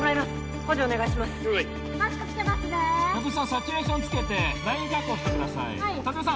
サチュレーションつけてライン確保してください辰巳さん